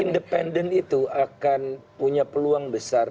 independen itu akan punya peluang besar